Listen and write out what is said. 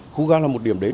khu ga là một điểm đến